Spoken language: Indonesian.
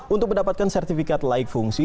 untuk mendapatkan sertifikat layak fungsi